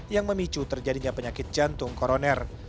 yang memicu terjadinya penyakit jantung koroner